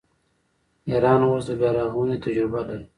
ایران اوس د بیارغونې تجربه لري.